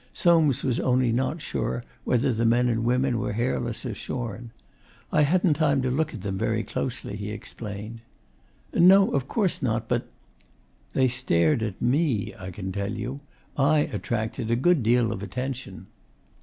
Soames was only not sure whether the men and women were hairless or shorn. 'I hadn't time to look at them very closely,' he explained. 'No, of course not. But ' 'They stared at ME, I can tell you. I attracted a great deal of attention.